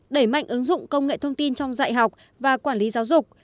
đẩy mạnh ứng dụng công nghệ thông tin trong dạy học và quản lý giáo dục